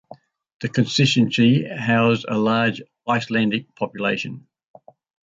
The constituency housed a large Icelandic population.